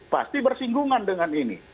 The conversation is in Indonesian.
pasti bersinggungan dengan ini